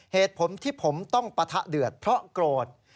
เหตุผลที่ผมต้องปะทะเดือดเพราะโกรธ